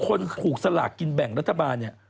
คนถูกสลากกินแบ่งรัฐบาลเนี่ย